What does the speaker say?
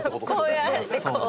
こうやられてこう。